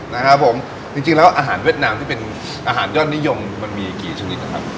นะครับผมจริงจริงแล้วอาหารเวียดนามที่เป็นอาหารยอดนิยมมันมีกี่ชนิดนะครับ